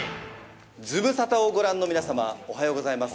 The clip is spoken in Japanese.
ズムサタをご覧の皆様、おはようございます。